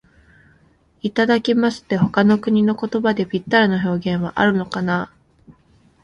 「いただきます」って、他の国の言葉でぴったりの表現はあるのかな。